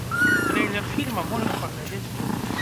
Трэйлер фільма можна паглядзець тут.